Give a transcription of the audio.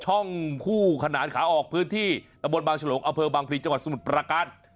ช่องคู่ขนานขาออกพื้นที่ตะบนบางฉลงอเภอบางพลีจังหวัดสมุทรประการ